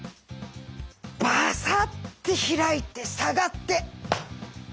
バサッて開いて下がって。